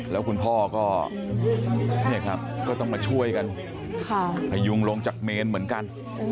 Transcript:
แล้วคุณพ่อก็ต้องมาช่วยกันให้ยุงลงจากเมนเหมือนกัน